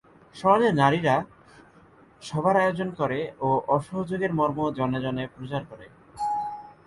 সমাজের নারীরা সভার আয়োজন করে ও অসহযোগের মর্ম জনে জনে প্রচার করে।